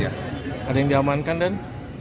ada yang diamankan